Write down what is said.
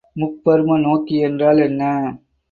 முப்பரும நோக்கி என்றால் என்ன?